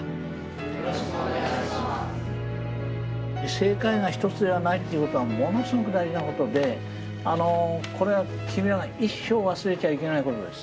正解が一つではないっていうことはものすごく大事なことでこれは君らが一生忘れちゃいけないことです。